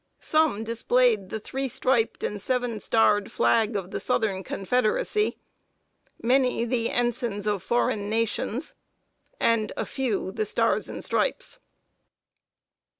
Some displayed the three striped and seven starred flag of the "Southern Confederacy," many the ensigns of foreign nations, and a few the Stars and Stripes.